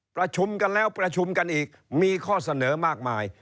ประชุมกันแล้วประชุมกันอีกมีข้อเสนอมากมาย